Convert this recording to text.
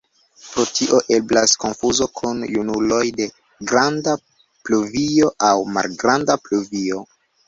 Pro tio eblas konfuzo kun junuloj de Granda pluvio aŭ Malgranda pluvio.